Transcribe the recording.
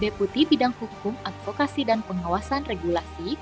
deputi bidang hukum advokasi dan pengawasan dan pembangunan